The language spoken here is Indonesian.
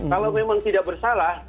kalau memang tidak bersalah